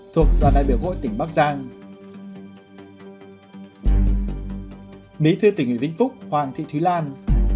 thuộc đoàn đại biểu quốc hội tỉnh bắc giang